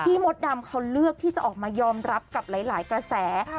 มดดำเขาเลือกที่จะออกมายอมรับกับหลายกระแส